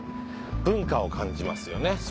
文化を感じますよね